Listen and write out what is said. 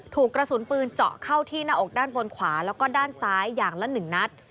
ถูกกระสุนปืนเจาะเข้าที่หน้าอกด้านบนขวาแล้วก็ด้านซ้ายอย่างละ๑นัด